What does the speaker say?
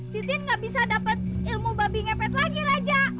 sitin gak bisa dapat ilmu babi ngepet lagi raja